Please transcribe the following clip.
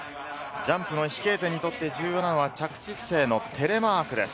ジャンプの飛型点にとって重要なのは着地姿勢のテレマークです。